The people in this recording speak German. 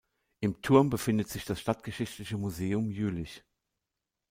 Im Turm befindet sich das Stadtgeschichtliche Museum Jülich.